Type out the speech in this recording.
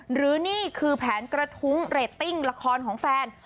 หรือนี่คือแผนกระทุ้งเรตติ้งละครของแฟน